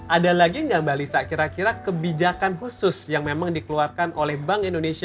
ada lagi nggak mbak lisa kira kira kebijakan khusus yang memang dikeluarkan oleh bank indonesia